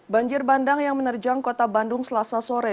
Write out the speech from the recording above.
banjir bandang yang menerjang kota bandung selasa sore